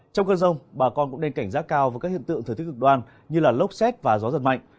trong cơn rông bà con cũng nên cảnh giác cao với các hiện tượng thời tiết cực đoan như lốc xét và gió giật mạnh